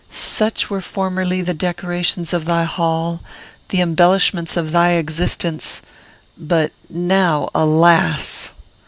Such were formerly the decorations of thy hall, the embellishments of thy existence; but now alas!